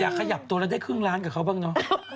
ขยับตัวแล้วได้ครึ่งล้านกับเขาบ้างเนอะ